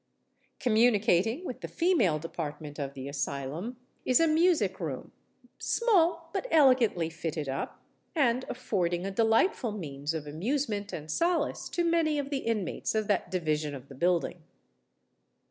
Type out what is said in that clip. Communicating with the female department of the asylum, is a music room,—small, but elegantly fitted up, and affording a delightful means of amusement and solace to many of the inmates of that division of the building.